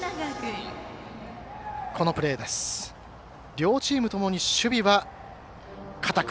両チームともに守備は堅く。